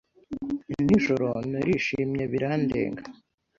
Nijoro narishimye birandenga.